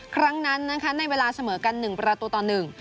ครั้งนั้นในเวลาเสมอกัน๑ประตูต่อ๑